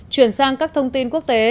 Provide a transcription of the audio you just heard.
chuyển sang các thông tin quốc tế